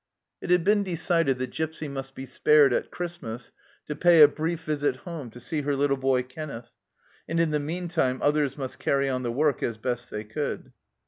It had been decided that Gipsy must be spared at Christmas to pay a brief visit home to see her little boy Kenneth, and in the meantime others must carry on the work as best they could.